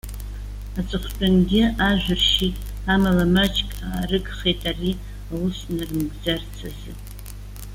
Аҵыхәтәангьы ажә ршьит, амала маҷк аарыгхеит, ари аус нармыгӡарц азы.